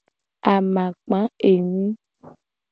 Amakpa enyi.